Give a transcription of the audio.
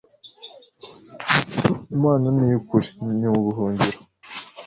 Imana ni iy ukuri ni ubuhungiro